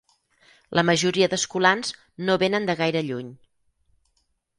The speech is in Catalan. La majoria d'escolans no venen de gaire lluny.